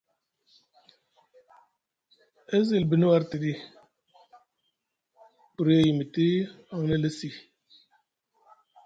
E zilbi ni war tiɗi, buri e yimiti aŋ alesi.